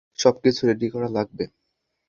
সবকিছু রেডি করা লাগবে।